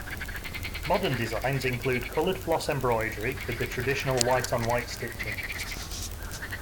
Modern designs include colored floss embroidery with the traditional white on white stitching.